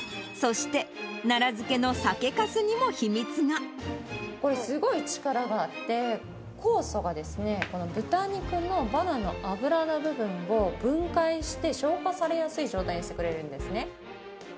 そして、これ、すごい力があって、酵素がですね、この豚肉のバラの脂の部分を分解して、消化されやすい状態にしてくれるんですね。